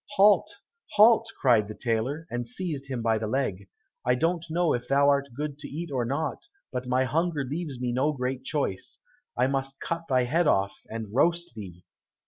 "Halt, halt!" cried the tailor, and seized him by the leg. "I don't know if thou art good to eat or not, but my hunger leaves me no great choice. I must cut thy head off, and roast thee."